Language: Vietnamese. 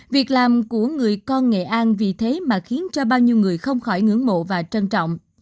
việc làm của người con nghệ an vì thế mà khiến cho bao nhiêu người không khỏi ngưỡng mộ và trân trọng